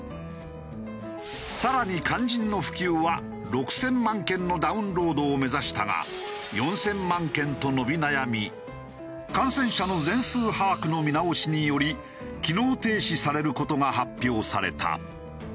更に肝心の普及は６０００万件のダウンロードを目指したが４０００万件と伸び悩み感染者の全数把握の見直しにより機能停止される事が発表された。